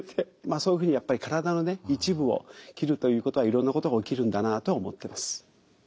まあそういうふうにやっぱり体のね一部を切るということはいろんなことが起きるんだなと思ってます。